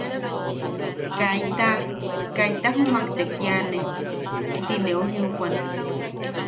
Kaita kaita jumak tekiane”. Tineu jiuwan.